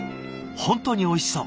本当においしそう。